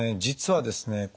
実はですね